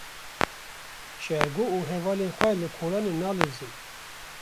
Şêrgo û hevalên xwe li kolanê nalîzin.